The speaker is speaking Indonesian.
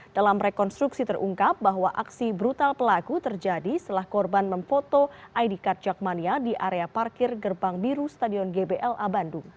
dalam rekonstruksi terungkap bahwa aksi brutal pelaku terjadi setelah korban memfoto id card jakmania di area parkir gerbang biru stadion gbla bandung